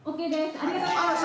ありがとうございます！